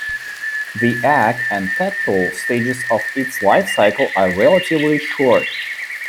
The egg and tadpole stages of its lifecycle are relatively short.